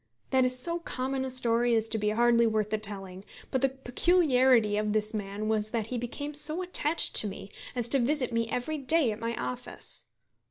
That is so common a story as to be hardly worth the telling; but the peculiarity of this man was that he became so attached to me as to visit me every day at my office.